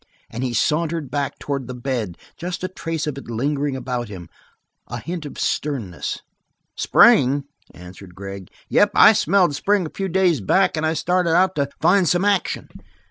As he sauntered back towards the bed just a trace of it lingered about him, a hint of sternness. "Spring?" answered Gregg. "Yep, I smelled spring a few days back and I started out to find some action.